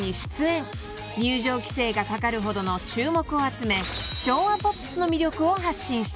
［入場規制がかかるほどの注目を集め］